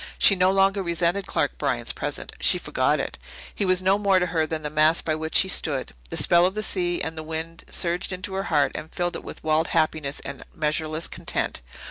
She no longer resented Clark Bryant's presence she forgot it. He was no more to her than the mast by which he stood. The spell of the sea and the wind surged into her heart and filled it with wild happiness and measureless content.